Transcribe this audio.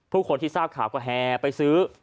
ผู้คนที่ทราบข่าวก็แห่ไปซื้อ